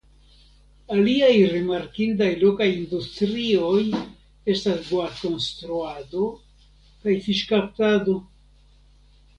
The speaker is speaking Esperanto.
Aliaj rimarkindaj lokaj industrioj estas boatkonstruado kaj fiŝkaptado.